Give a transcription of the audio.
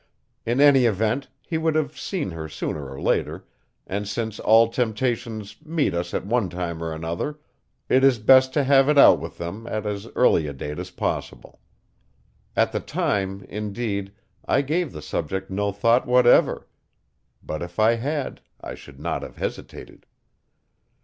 In any event, he would have seen her sooner or later, and since all temptations meet us at one time or another, it is best to have it out with them at as early a date as possible. At the time, indeed, I gave the subject no thought whatever; but if I had I should not have hesitated.